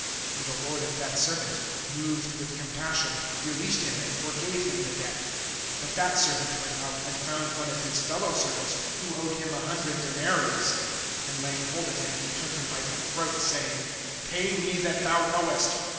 (27)And the lord of that servant, moved with compassion, released him, and forgave him the debt. (28)But that servant went out, and found one of his fellow servants, who owed him a hundred denaries[18:28]; and laying hold of him he took him by the throat, saying: Pay me that thou owest.